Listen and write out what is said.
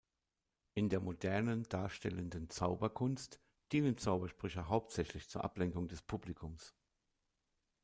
In der modernen, darstellenden Zauberkunst dienen Zaubersprüche hauptsächlich zur Ablenkung des Publikums.